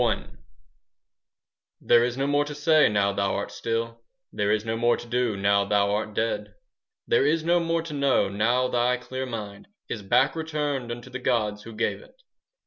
LXI There is no more to say now thou art still, There is no more to do now thou art dead, There is no more to know now thy clear mind Is back returned unto the gods who gave it.